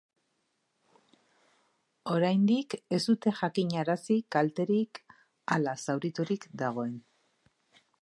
Oraindik ez dute jakinarazi kalterik ala zauriturik dagoen.